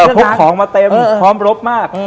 พกของมาเต็มพร้อมรบมาก